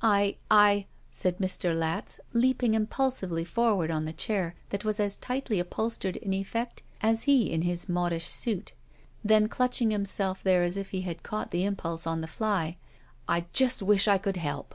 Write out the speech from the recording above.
"I — ^I —" said Mr. Latz, leaping impulsively for ward on the chair that was as tightly upholstered in effect as he in his modish suit, then clutching himself there as if he had caught the impulse on the fly, "I just wish I could help."